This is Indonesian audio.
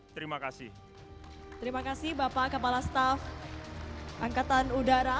terima kasih bapak kepala staff angkatan udara